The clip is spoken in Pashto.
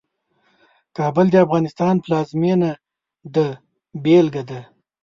کابل د افغانستان پلازمېنه ده بېلګه ده.